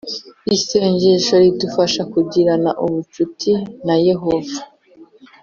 Isengesho ridufasha kugirana ubucuti na yehova